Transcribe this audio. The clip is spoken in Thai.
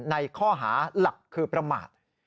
ในข้อหาหลักคือประมาท